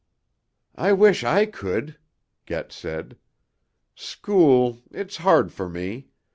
"I wish I could," Get said. "School, it's hard for me.